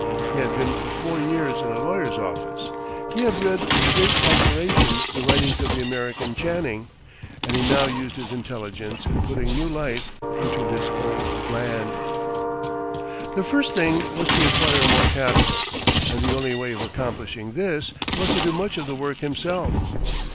He had been for four years in a lawyer's office. He had read with great admiration the writings of the American Channing; and he now used his intelligence in putting new life into this old land. The first thing was to acquire more capital; and the only way of accomplishing this was to do much of the work himself.